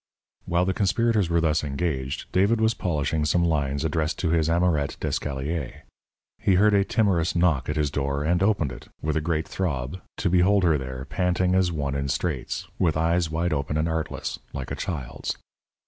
'" While the conspirators were thus engaged, David was polishing some lines addressed to his amorette d'escalier. He heard a timorous knock at his door, and opened it, with a great throb, to behold her there, panting as one in straits, with eyes wide open and artless, like a child's.